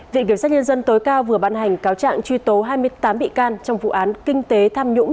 viện kiểm sát nhân dân tối cao vừa ban hành cáo trạng truy tố hai mươi tám bị can trong vụ án kinh tế tham nhũng